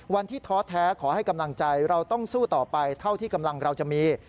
ท้อแท้ขอให้กำลังใจเราต้องสู้ต่อไปเท่าที่กำลังเราจะมี